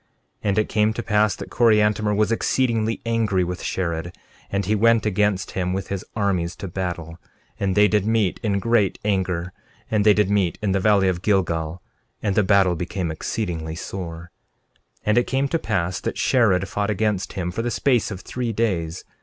13:27 And it came to pass that Coriantumr was exceedingly angry with Shared, and he went against him with his armies to battle; and they did meet in great anger, and they did meet in the valley of Gilgal; and the battle became exceedingly sore. 13:28 And it came to pass that Shared fought against him for the space of three days.